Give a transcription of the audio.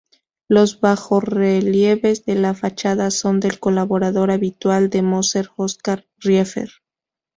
Los bajorrelieves de la fachada son del colaborador habitual de Moser Oskar Kiefer.